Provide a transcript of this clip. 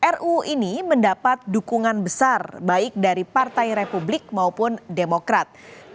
ruu ini mendapat dukungan besar baik dari partai republik maupun demokrat